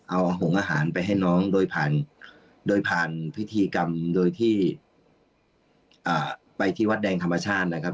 เอาหงอาหารไปให้น้องโดยผ่านโดยผ่านพิธีกรรมโดยที่ไปที่วัดแดงธรรมชาตินะครับ